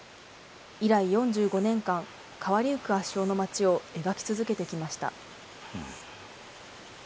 以来４５年間、変わりゆく足尾の町を描き続けてきました。